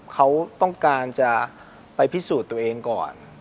เขาต้องการจะไปพิสูจน์ตัวเองก่อน